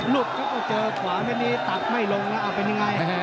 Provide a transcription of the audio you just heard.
ลุ้ปก็เจอขวาไม่ดีตั๊กไม่ลงเอ้าเป็นยังไง